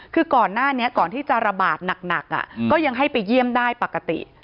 คือก่อนหน้านี้ก่อนที่จะระบาดหนักก็ยังให้ไปเยี่ยมได้ปกติ